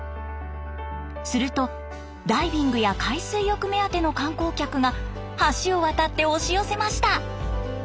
するとダイビングや海水浴目当ての観光客が橋を渡って押し寄せました。